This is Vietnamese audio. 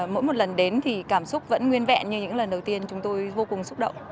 mỗi một lần đến thì cảm xúc vẫn nguyên vẹn như những lần đầu tiên chúng tôi vô cùng xúc động